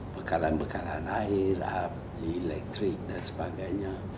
bekalan bekalan air elektrik dan sebagainya